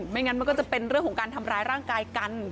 ไม่งั้นมันก็จะเป็นเรื่องของการทำร้ายร่างกายกัน